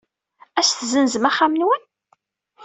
Ad as-tessenzem axxam-nwen?